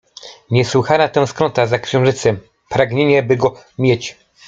Niesłychana tęsknota za księżycem, pragnienie, by go mieć.